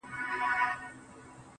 د ټپې په رزم اوس هغه ده پوه سوه,